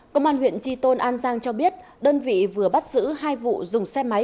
công an huyện tri tôn an giang cho biết đơn vị vừa bắt giữ hai vụ dùng xe máy